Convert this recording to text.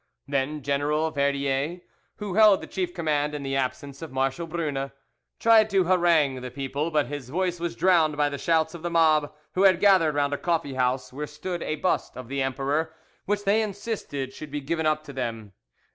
Then General Verdier, who held the chief command in the absence of Marshal Brune, tried to harangue the people, but his voice was drowned by the shouts of the mob who had gathered round a coffee house where stood a bust of the emperor, which they insisted should be given up to them.